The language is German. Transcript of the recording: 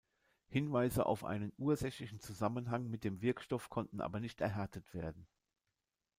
Hinweise auf einen ursächlichen Zusammenhang mit dem Wirkstoff konnten aber nicht erhärtet werden.